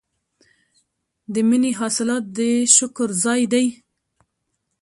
د مني حاصلات د شکر ځای دی.